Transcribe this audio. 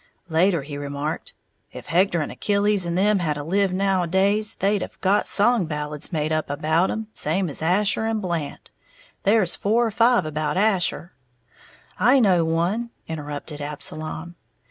Later, he remarked, "If Hector and Achilles and them had a lived now a days, they'd have got song ballads made up about 'em, same as Asher and Blant. There's four or five about Asher " "I know one," interrupted Absalom.